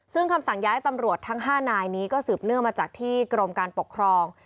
ซึ่งคำสั่งย้ายตำรวจทั้ง๕นายนี้ก็สืบเนื่องมาจากที่กรมการปกครอง